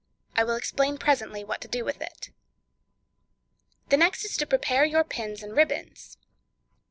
I will explain presently what to do with it. The next is to prepare your pins and ribbons.